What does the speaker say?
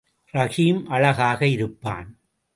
ரஹீம் அழகாக இருப்பான்.